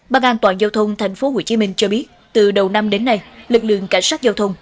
ban an toàn giao thông tp hcm cho biết từ đầu năm đến nay lực lượng cảnh sát giao thông